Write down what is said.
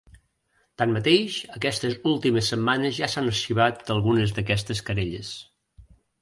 Tanmateix, aquestes últimes setmanes ja s’han arxivat algunes d’aquestes querelles.